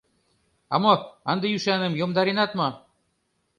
— А мо, ынде ӱшаным йомдаренат мо?